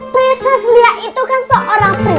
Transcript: prinses lia itu kan seorang prinsip ya